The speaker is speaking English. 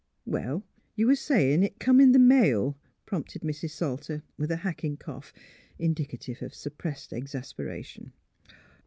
'' Well; you was sayin' it come in th' mail,'* prompted Mrs. Salter, with a hacking cough, in dicative of suppressed exasperation.